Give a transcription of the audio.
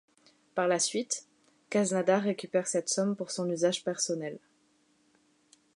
Par la suite, Khaznadar récupère cette somme pour son usage personnel.